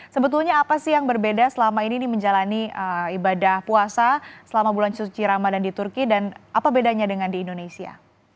sebetulnya apa sih yang berbeda selama ini menjalani ibadah puasa selama bulan suci ramadan di turki dan apa bedanya dengan di indonesia